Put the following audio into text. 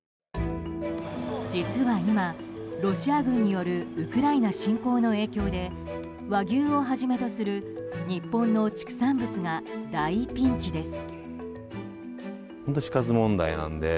実は今、ロシア軍によるウクライナ侵攻の影響で和牛をはじめとする日本の畜産物が大ピンチです。